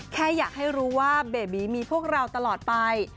แค่อยากให้รู้ว่าเบบีมีพวกเราตลอดไป